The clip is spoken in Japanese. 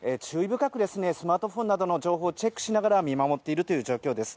深く、スマートフォンなどの情報をチェックしながら見守っているという状況です。